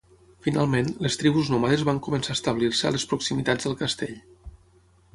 Finalment, les tribus nòmades van començar a establir-se a les proximitats del castell.